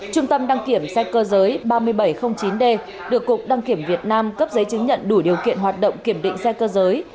trung tâm đăng kiểm xe cơ giới ba nghìn bảy trăm linh chín d được cục đăng kiểm việt nam cấp giấy chứng nhận đủ điều kiện hoạt động kiểm định xe cơ giới